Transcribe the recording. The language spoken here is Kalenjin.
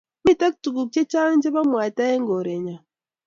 mito tuguk chechang' chebo mwaita eng' kore nyo